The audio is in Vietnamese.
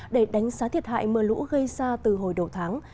để đánh giá thiệt hại mưa lũ gây ra từ hồi đầu tháng